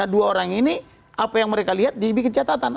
dua orang ini apa yang mereka lihat dibikin catatan